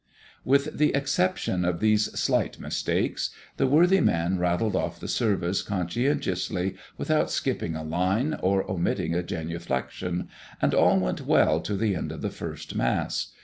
With the exception of these slight mistakes the worthy man rattled off the service conscientiously, without skipping a line, or omitting a genuflection, and all went well to the end of the first Mass.